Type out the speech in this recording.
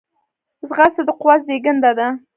ځغاسته د قوت زیږنده ده